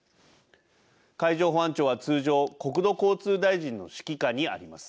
海上保安庁は通常国土交通大臣の指揮下にあります。